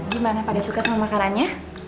gimana pada suka sama makanannya